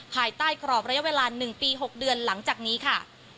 ภายใต้กรอบระยะเวลา๑ปี๖เดือนหลังจากนี้ค่ะ